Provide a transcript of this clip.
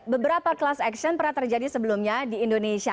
beberapa class action pernah terjadi sebelumnya di indonesia